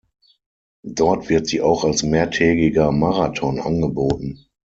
Dort wird sie auch als mehrtägiger Marathon angeboten.